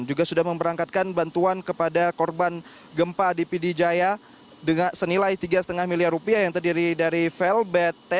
juga sudah memperangkatkan bantuan kepada korban gempa di pidi jaya dengan senilai tiga lima miliar rupiah yang terdiri dari velbeten